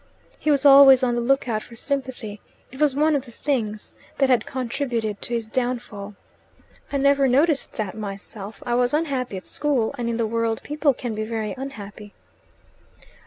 He was always on the lookout for sympathy : it was one of the things that had contributed to his downfall. "I never noticed that myself. I was unhappy at school, and in the world people can be very happy."